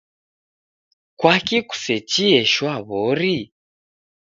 Kwaki kusechie shwaw'ori?